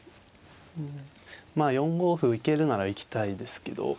まあ４五歩行けるなら行きたいですけど。